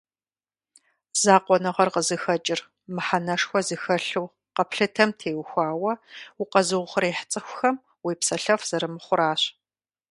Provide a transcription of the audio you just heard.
Закъуэныгъэр къызыхэкӏыр мыхьэнэшхуэ зыхэлъу къэплъытэм теухуауэ укъэзыухъуреихь цӏыхухэм уепсэлъэф зэрымыхъуращ.